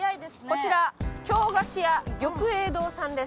こちら京菓子屋玉英堂さんです。